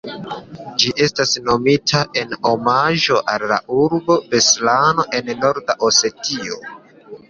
Ĝi estis nomita en omaĝo al la urbo Beslano en Nord-Osetio.